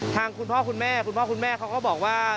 คุณพ่อคุณแม่คุณพ่อคุณแม่เขาก็บอกว่า